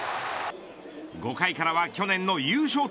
５回からは去年の優勝